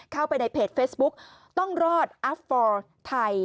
เข้าไปในเพจเฟซบุ๊คต้องรอดอัฟฟอร์ไทย